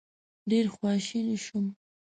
ډېر خواشینی شوم.